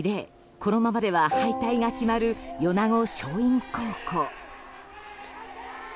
このままでは敗退が決まる米子松蔭高校。